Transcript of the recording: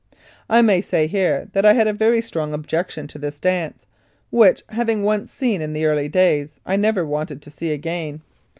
I may say here that I had a very strong objection to this dance, which, having once seen in the early days, I never wanted to see again.